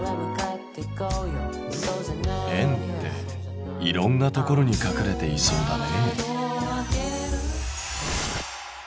円っていろんなところに隠れていそうだね。